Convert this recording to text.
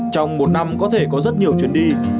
trong một năm có thể có rất nhiều chuyến đi